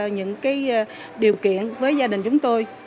những điều kiện với gia đình chúng tôi